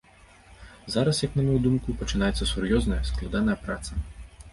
Зараз, як на маю думку, пачынаецца сур'ёзная, складаная праца.